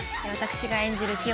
私が演じる